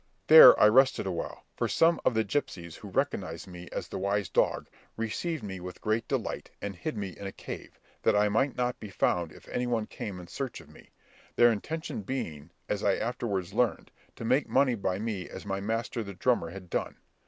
There I rested awhile, for some of the gipsies who recognised me as the wise dog, received me with great delight, and hid me in a cave, that I might not be found if any one came in search of me; their intention being, as I afterwards learned, to make money by me as my master the drummer had done.